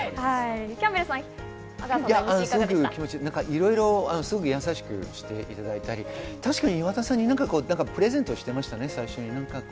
いろいろ優しくしていただいたり、確かに岩田さんにプレゼントしてましたね、最初に。